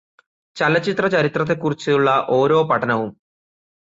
ചലച്ചിത്ര ചരിത്രത്തെ കുറിച്ചുള്ള ഓരോ പഠനവും